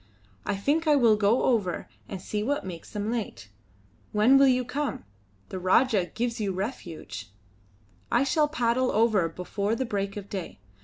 "I think I will go over and see what makes them late. When will you come? The Rajah gives you refuge." "I shall paddle over before the break of day.